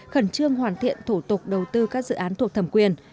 khẩn trương hoàn thiện thủ tục đầu tư các dự án thuộc thẩm quyền